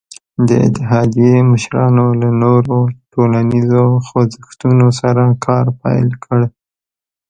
د اتحادیې مشرانو له نورو ټولنیزو خوځښتونو سره کار پیل کړ.